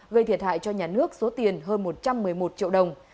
gây thiệt hại cho nhà nước số tiền hơn một trăm một mươi một triệu đồng